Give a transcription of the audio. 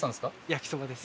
焼きそばです。